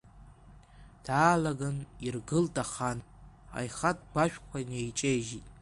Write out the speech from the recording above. Даалаган, иргылт ахан, аихатә гәашәқәа неиҿеижьит.